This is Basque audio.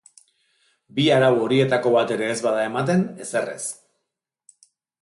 Bi arau horietako bat ere ez bada ematen, ezer ez.